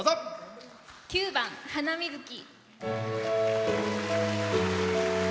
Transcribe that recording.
９番「ハナミズキ」。